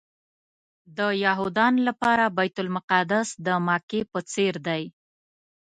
د یهودانو لپاره بیت المقدس د مکې په څېر دی.